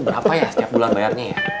berapa ya setiap bulan bayarnya ya